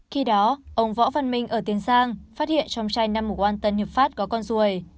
khi đó ông võ văn minh ở tiến giang phát hiện trong chai number one tân hiệp pháp có con ruồi